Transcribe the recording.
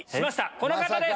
この方です。